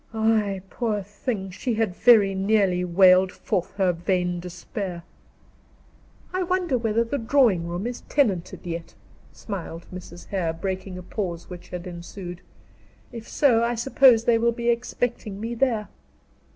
Ay, poor thing! She had very nearly wailed forth her vain despair. "I wonder whether the drawing room is tenanted yet," smiled Mrs. Hare, breaking a pause which had ensued. "If so I suppose they will be expecting me there."